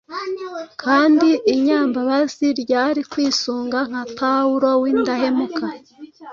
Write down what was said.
kandi y’inyambabazi yari kwisunga nka Pawulo w’indahemuka.